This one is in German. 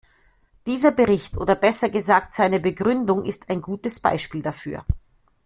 Dieser Bericht oder besser gesagt seine Begründung ist ein gutes Beispiel dafür.